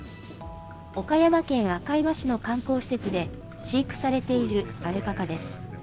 岡山県赤磐市の観光施設で飼育されているアルパカです。